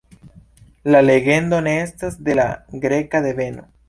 La legendo ne estas de la greka deveno.